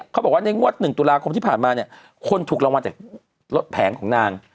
เขาบอกว่าในงวด๑ตุลาคมที่ผ่านมาเนี่ยคนถูกรางวัลจากรถแผงของนาง